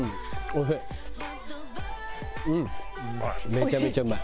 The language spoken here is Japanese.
めちゃめちゃうまい。